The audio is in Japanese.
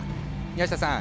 宮下さん